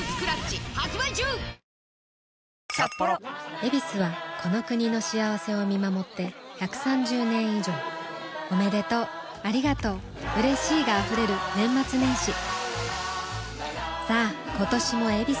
「ヱビス」はこの国の幸せを見守って１３０年以上おめでとうありがとううれしいが溢れる年末年始さあ今年も「ヱビス」で